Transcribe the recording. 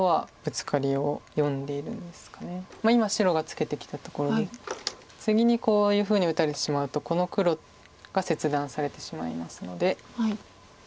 今白がツケてきたところで次にこういうふうに打たれてしまうとこの黒が切断されてしまいますので。